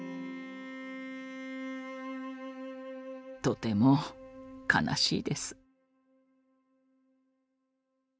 とても悲しいです。